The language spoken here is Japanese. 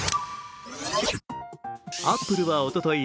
アップルはおととい